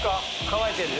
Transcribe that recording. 乾いてる？